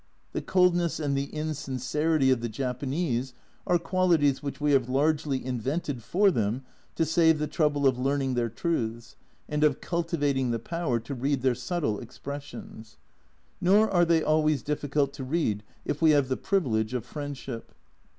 The coldness and the insincerity of the Japanese are qualities which we have largely invented for them to save us the trouble of learning their truths, and of cultivating the power to read their subtle expressions. Nor are they always difficult to read if we have the privilege of friendship.